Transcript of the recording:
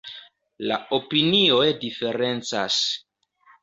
La opinioj diferencas.